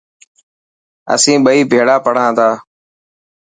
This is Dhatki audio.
اسين ٻئي ڀيڙا پڙهان ٿا.